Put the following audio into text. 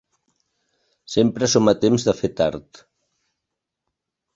Sempre som a temps de fer tard.